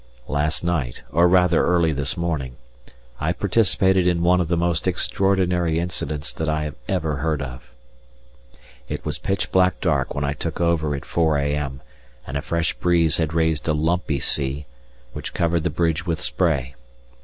Last night, or rather early this morning, I participated in one of the most extraordinary incidents that I have ever heard of. It was pitch black dark when I took over at 4 a.m., and a fresh breeze had raised a lumpy sea, which covered the bridge with spray.